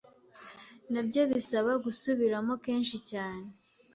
Nabyo bisaba gusubiramo kenshi cyane